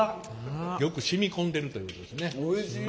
よく染み込んでるということですね。